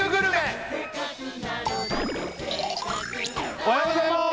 その名もおはようございます！